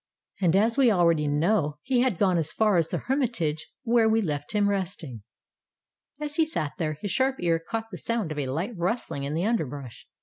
And as we already know, he had gone as far as the hermitage, where we left him resting. As he sat there, his sharp ear caught the sound of a light rustling in the underbrush.